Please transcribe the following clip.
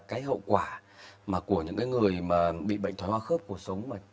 cái hậu quả của những người bị bệnh thói hoa khớp cuộc sống